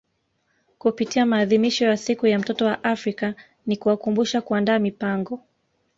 Kupitia maadhimisho ya siku ya mtoto wa Afrika ni kuwakumbusha kuandaa mipango